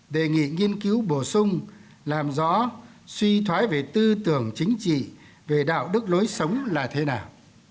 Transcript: đề nghị nghiên cứu bổ sung làm rõ suy thoái về tư tưởng chính trị về đạo đức lối sống là thế nào